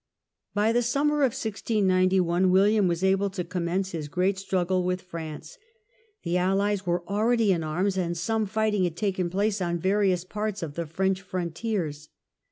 By the summer of 1 69 1 William was able to commence his great struggle with France. The allies were already in arms, and some fighting had taken place on various parts of the French frontiers.